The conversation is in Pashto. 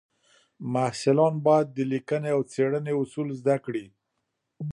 محصلان باید د لیکنې او څېړنې اصول زده کړي.